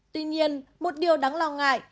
tuy nhiên một điều đáng lo ngại